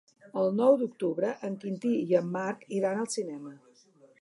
El nou d'octubre en Quintí i en Marc iran al cinema.